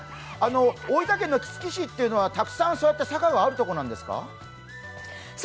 大分県杵築市というのはたくさん坂があるところなんですか？